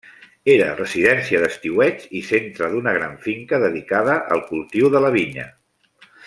Era residència d'estiueig i centre d'una gran finca dedicada al cultiu de la vinya.